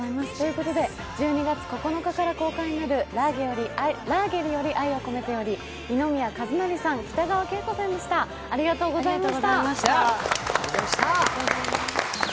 １２月９日から公開になる「ラーゲリより愛を込めて」より二宮和也さん、北川景子さんでしたありがとうございました。